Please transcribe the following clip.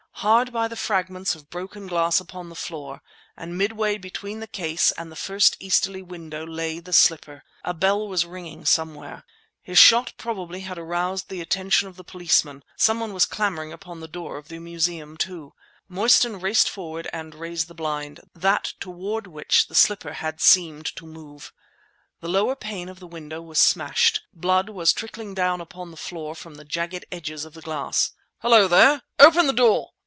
Hard by the fragments of broken glass upon the floor and midway between the case and the first easterly window lay the slipper. A bell was ringing somewhere. His shot probably had aroused the attention of the policeman. Someone was clamouring upon the door of the Museum, too. Mostyn raced forward and raised the blind—that toward which the slipper had seemed to move. The lower pane of the window was smashed. Blood was trickling down upon the floor from the jagged edges of the glass. "Hullo there! Open the door!